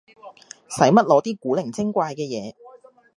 使乜攞啲古靈精怪嘅嘢